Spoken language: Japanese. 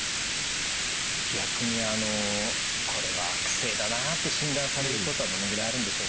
逆にこれは悪性だなって診断されることはどのぐらいあるんでしょうか？